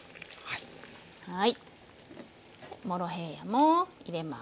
モロヘイヤも入れます。